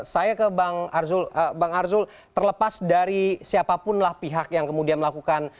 saya ke bang arzul terlepas dari siapapun lah pihak yang kemudian melakukan